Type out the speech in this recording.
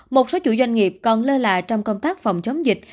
một số chủ doanh nghiệp còn lơ là trong công tác phòng chống dịch